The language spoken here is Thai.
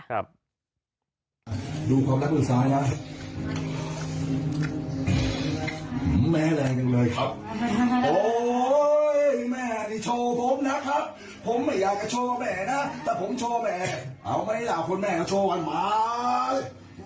ถ้าผมโชว์แม่เอาไหมล่ะคนแม่ก็โชว์วันหมาย